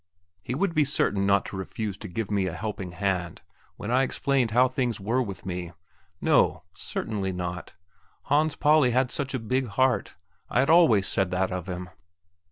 He would be certain not to refuse to give me a helping hand when I explained how things were with me; no, certainly not; Hans Pauli had such a big heart I had always said that of him....